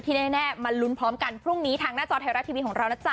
แน่มาลุ้นพร้อมกันพรุ่งนี้ทางหน้าจอไทยรัฐทีวีของเรานะจ๊